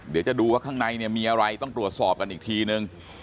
เดี๋ยวจะดูว่าข้างในเนี่ยมีอะไรต้องตรวจสอบกันอีกทีนึง